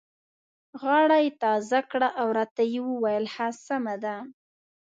غاړه یې تازه کړه او راته یې وویل: ښه سمه ده.